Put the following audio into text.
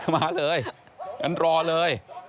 มาเลยงั้นรอเลย